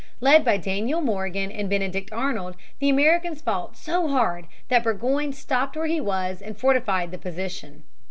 Led by Daniel Morgan and Benedict Arnold the Americans fought so hard that Burgoyne stopped where he was and fortified the position.